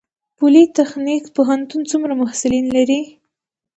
پولي تخنیک پوهنتون څومره محصلین لري؟